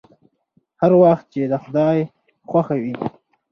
هر وخت چې د خداى خوښه وي.